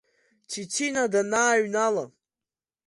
Цицина данааҩнала.